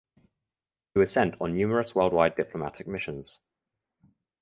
He was sent on numerous worldwide diplomatic missions.